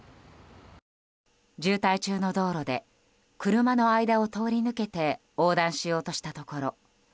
渋滞中の道路で車の間を通り抜けて横断しようとしたところ